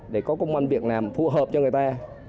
để có công an việc làm phù hợp cho người ta